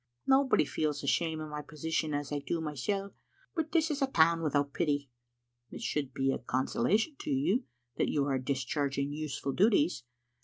Nobody feels the shame o* my position as I do mysel', but this is a town without pity." " It should be a consolation to you that you are dis charging useful duties."